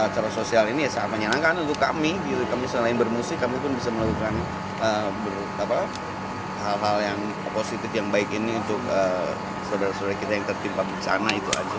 cara sosial ini ya sangat menyenangkan untuk kami kami selain bermusik kami pun bisa melakukan hal hal yang positif yang baik ini untuk saudara saudara kita yang tertimpa bencana itu aja